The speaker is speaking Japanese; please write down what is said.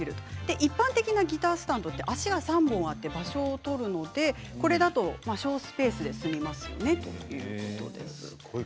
一般的なギタースタンドは足が３本あって場所を取るのでこれだと省スペースで済みます。